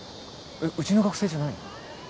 えっうちの学生じゃないの？